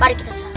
mari kita serang